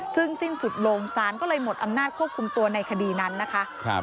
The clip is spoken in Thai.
ซึ่งสิ้นสุดลงศาลก็เลยหมดอำนาจควบคุมตัวในคดีนั้นนะคะ